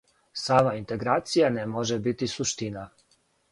Сама интеграција не може бити суштина.